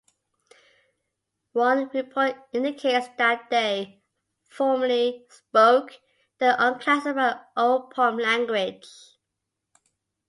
One report indicates that they formerly spoke the unclassified Oropom language.